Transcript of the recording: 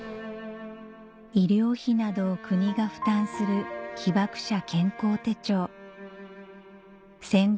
医療費などを国が負担する被爆者健康手帳戦後